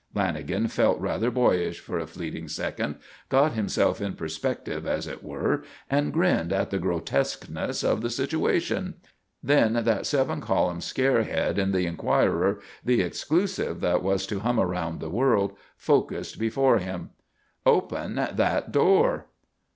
Lanagan felt rather boyish for a fleeting second; got himself in perspective, as it were, and grinned at the grotesqueness of the situation. Then that seven column scare head in the Enquirer the exclusive that was to hum around the world, focussed before him. "Open that door!"